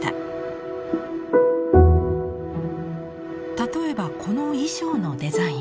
例えばこの衣装のデザイン。